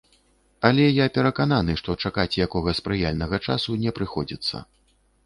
Але я перакананы, што чакаць якога спрыяльнага часу не прыходзіцца.